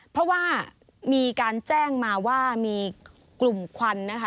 เพราะว่ามีการแจ้งมาว่ามีกลุ่มควันนะคะ